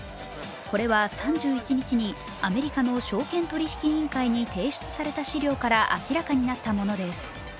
これは３１日にアメリカの証券取引委員会に提出された資料から明らかになったものです。